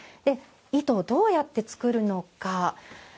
糸をどうやって作るのか。